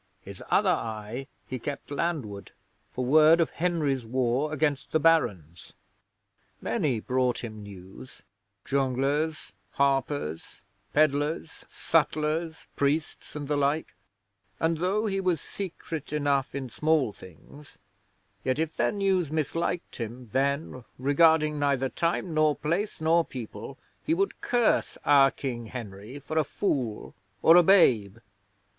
His other eye he kept landward for word of Henry's war against the Barons. 'Many brought him news jongleurs, harpers, pedlars, sutlers, priests and the like; and, though he was secret enough in small things, yet, if their news misliked him, then, regarding neither time nor place nor people, he would curse our King Henry for a fool or a babe.